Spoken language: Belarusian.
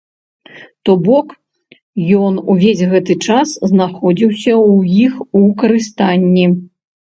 То бок ён увесь гэты час знаходзіўся ў іх у карыстанні.